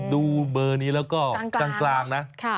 ดูเบอร์นี้แล้วก็กลางนะ